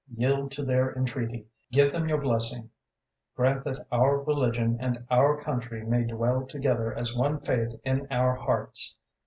Yield to their entreaty; give them your blessing; grant that our religion and our country may dwell together as one faith in our hearts.